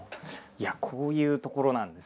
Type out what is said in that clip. いやこういう所なんです。